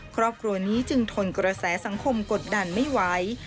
ครอบครัวนี้จึงทนกระแสสังคมกดดันไม่ไหว